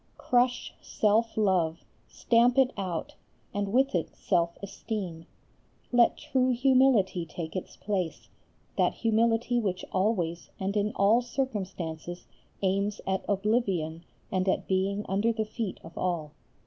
Crush self love, stamp it out; and with it self esteem. Let true humility take its place, that humility which always and in all circumstances aims at oblivion and at being under the feet of all.